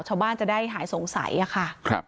ชาวบ้านจะได้หายสงสัยค่ะ